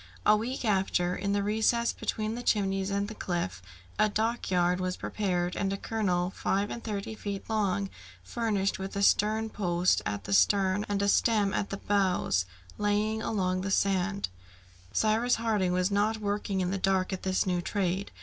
A week after, in the recess between the Chimneys and the cliff, a dockyard was prepared, and a keel five and thirty feet long, furnished with a stern post at the stern and a stem at the bows, lay along the sand. Cyrus Harding was not working in the dark at this new trade.